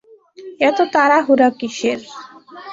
এত তাড়াহুড়া কীসের।